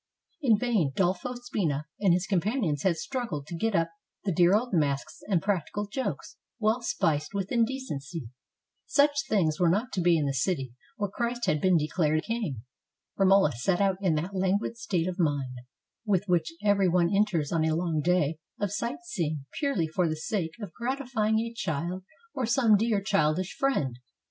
In vain Dolfo Spina and his companions had struggled to get up the dear old masks and practical jokes, well spiced with indecency. Such things were not to be in a city where Christ had been declared king. Romola set out in that languid state of mind with which every one enters on a long day of sight seeing purely for the sake of gratifying a child or some dear childish friend.